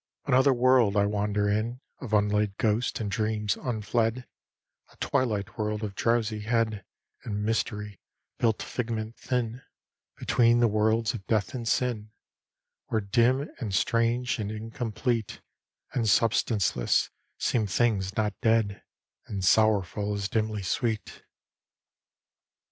Another world I wander in Of unlaid ghosts and dreams unfled; A twilight world of drowsy head And mystery, built figment thin Between the worlds of death and sin: Where dim and strange and incomplete, And substanceless, seem things not dead, And sorrowful as dimly sweet.